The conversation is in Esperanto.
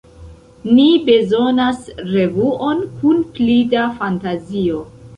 Ni bezonas revuon kun pli da fantazio.